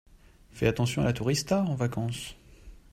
Fais attention à la tourista en vacances.